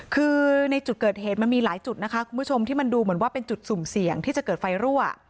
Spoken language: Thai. คือในจุดเกิดเหตุมันมีหลายจุดนะคะคุณผู้ชมที่มันดูเหมือนว่าเป็นจุดสุ่มเสี่ยงที่จะเกิดไฟรั่ว